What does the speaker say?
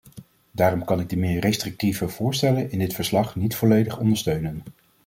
Daarom kan ik de meer restrictieve voorstellen in dit verslag niet volledig ondersteunen.